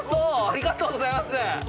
ありがとうございます。